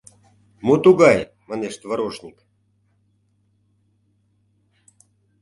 — Мо тугай, манеш, творожник?